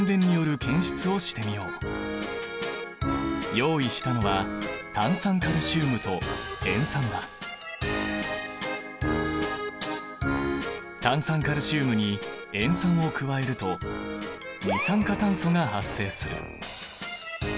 用意したのは炭酸カルシウムに塩酸を加えると二酸化炭素が発生する。